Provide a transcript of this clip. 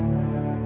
kau mau kemana